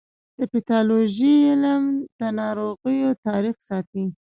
د پیتالوژي علم د ناروغیو تاریخ ساتي.